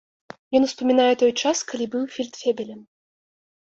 Ён успамінае той час, калі быў фельдфебелем.